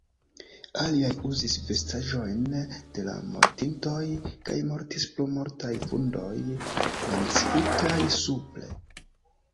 Aliaj uzis vestaĵojn de la mortintoj kaj mortis pro mortaj vundoj, menciitaj supre.